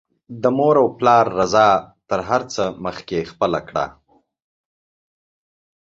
د مور او پلار رضاء تر هر څه مخکې خپله کړه